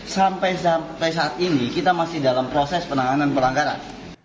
sampai sampai saat ini kita masih dalam proses penanganan pelanggaran